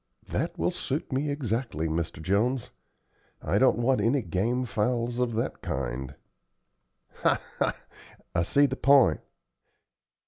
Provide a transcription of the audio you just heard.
"That will suit me exactly, Mr. Jones. I don't want any game fowls of that kind." "Ha, ha! I see the p'int.